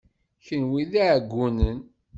Kenwi d iɛeggunen!